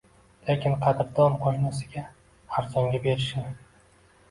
lekin qadrdon qoʻshnisiga arzonga berishini